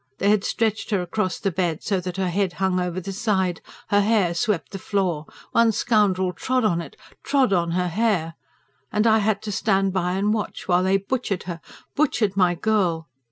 They had stretched her across the bed, so that her head hung over the side. Her hair swept the floor one scoundrel trod on it ... trod on her hair! And I had to stand by and watch, while they butchered her butchered my girl.